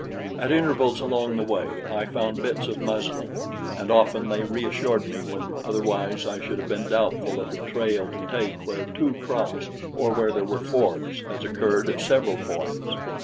At intervals along the way I found bits of muslin, and often they reassured me when otherwise I should have been doubtful of the trail to take where two crossed or where there were forks, as occurred at several points.